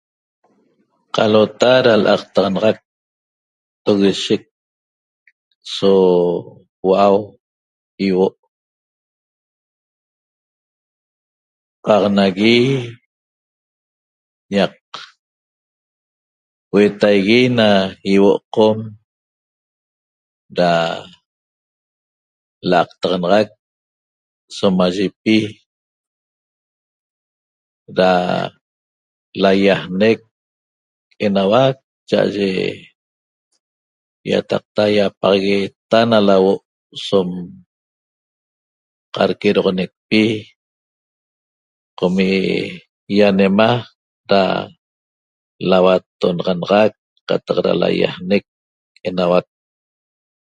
Qalota da l'aqtaxanaxac togoshec so hua'au ýihuo' qaq nagui ñaq huetaigui na ýihuo' Qom da l'aqtaxanaxac somayipi da laýajnec enauac cha'aye ýataqta ýapaxagueeta na lahuo' som qadquedoxonecpi qomi' ýanema da lauattonaxanaxac qataq da laýajnec enauac